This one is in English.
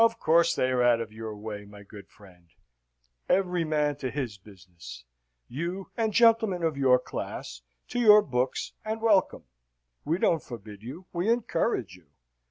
"Of course they are out of your way, my good friend. Every man to his business. You, and gentlemen of your class, to your books, and welcome. We don't forbid you; we encourage you.